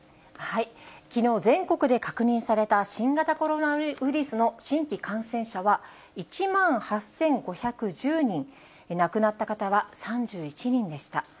きのう、全国で確認された新型コロナウイルスの新規感染者は１万８５１０人、亡くなった方は３１人でした。